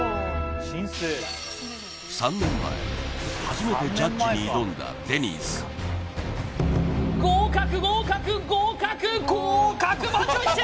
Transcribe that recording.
初めてジャッジに挑んだデニーズ合格合格合格合格満場一致！